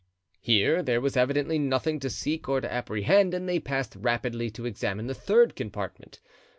Here there was evidently nothing to seek or to apprehend and they passed rapidly to examine the third compartment.